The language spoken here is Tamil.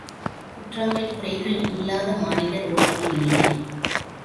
குற்றங்கள் குறைகள் இல்லாத மானிடர் உலகில் இல்லை.